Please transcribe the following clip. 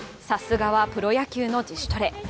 さすがはプロ野球の自主トレ。